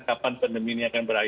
kapan pandemi ini akan berakhir